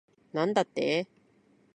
なんだって